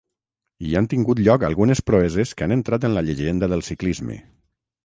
Hi han tingut lloc algunes proeses que han entrat en la llegenda del ciclisme.